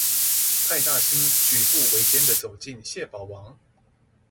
派大星舉步維艱的走進蟹堡王